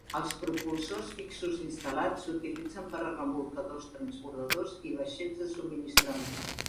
Els propulsors fixos instal·lats s'utilitzen per a remolcadors, transbordadors i vaixells de subministrament.